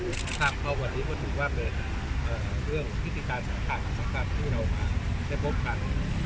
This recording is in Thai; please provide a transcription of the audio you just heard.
เพราะวันนี้ก็ถือว่าเป็นเรื่องพิธีการสำคัญที่เราได้พบกัน